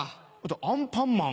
「アンパンマン」。